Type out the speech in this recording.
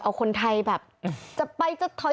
เอาคนไทยแบบจะไปจะถอย